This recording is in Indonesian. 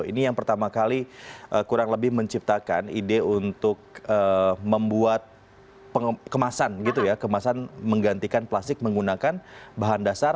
ini yang pertama kali kurang lebih menciptakan ide untuk membuat kemasan gitu ya kemasan menggantikan plastik menggunakan bahan dasar